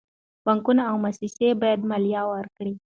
بانکونه او موسسې باید مالیه ورکړي.